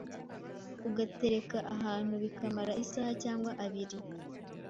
ugatereka ahantu bikamara isaha cyangwa abiri